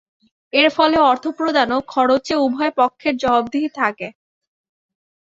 এর ফলে অর্থ প্রদান ও খরচে উভয় পক্ষের জবাবদিহি থাকে।